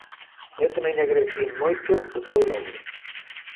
Eu tamén lle agradecín moito o seu logro.